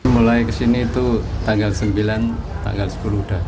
mulai kesini itu tanggal sembilan tanggal sepuluh udah